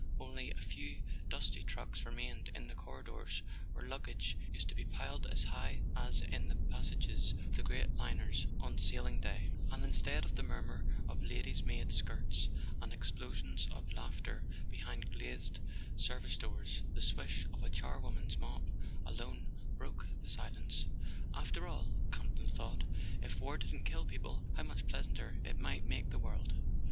Only a few dusty trunks remained in the corridors where luggage used to be piled as high as in the pas¬ sages of the great liners on sailing day; and instead of [ 137 ] A SON AT THE FRONT the murmur of ladies' maids' skirts, and explosions of laughter behind glazed service doors, the swish of a charwoman's mop alone broke the silence. "After all," Campton thought, "if war didn't kill people how much pleasanter it might make the world